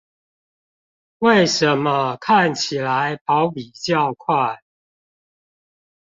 為什麼看起來跑比較快